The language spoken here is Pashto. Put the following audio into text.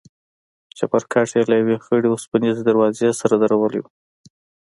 چپرکټ يې له يوې خړې وسپنيزې دروازې سره درولى و.